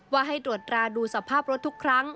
ว่าให้ตรวจราดูสภาพรถทุกครั้ง